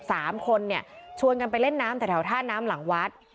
สามคนเนี่ยชวนกันไปเล่นน้ำแต่แถวท่าน้ำหลังวัด